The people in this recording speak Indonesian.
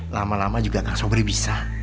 lama lama juga kang sobri bisa